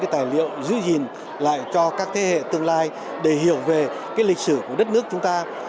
giữ gìn lại cho các thế hệ tương lai để hiểu về lịch sử của đất nước chúng ta